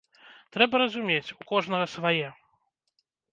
Трэба разумець, у кожнага свае.